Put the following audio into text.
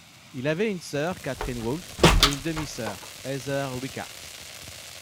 Il avait une sœur, Kathryn Woolf, et une demi-sœur, Heather Luikart.